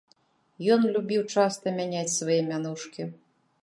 Ён любіў часта мяняць свае мянушкі.